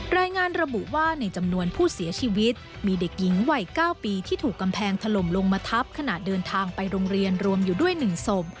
รายงานระบุว่าในจำนวนผู้เสียชีวิตมีเด็กหญิงวัย๙ปีที่ถูกกำแพงถล่มลงมาทับขณะเดินทางไปโรงเรียนรวมอยู่ด้วย๑ศพ